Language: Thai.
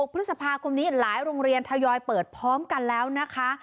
พฤษภาคมนี้หลายโรงเรียนทยอยเปิดพร้อมกันแล้วนะคะ